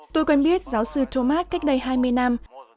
tôi quen biết giáo sư thomas cách đây hai mươi năm